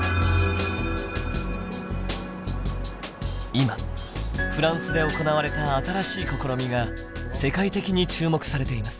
今フランスで行われた新しい試みが世界的に注目されています。